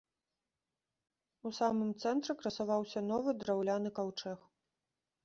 У самым цэнтры красаваўся новы драўляны каўчэг.